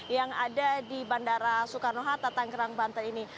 yang ada di bandara soekarno hatta tanggerang banten ini